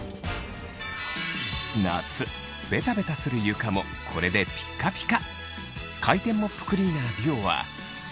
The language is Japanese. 夏ベタベタする床もこれでピッカピカ！